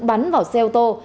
bắn vào xe ô tô